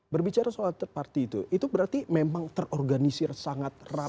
berbicara soal third party itu itu berarti memang terorganisir sangat rata